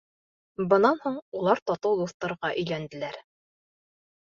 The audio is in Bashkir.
Бынан һуң улар татыу дуҫтарға өйләнделәр.